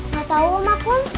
gak tau makun